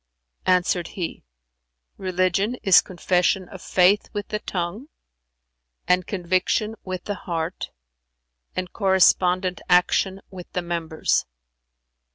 Answered he, "Religion is confession of Faith with the tongue and conviction with the heart and correspondent action with the members.